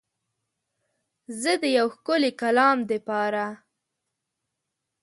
زه د یو ښکلی کلام دپاره